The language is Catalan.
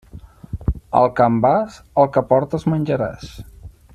Al camp vas, el que portes menjaràs.